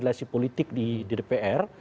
konsultasi politik di dpr